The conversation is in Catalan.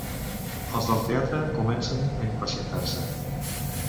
Els del darrere comencen a impacientar-se.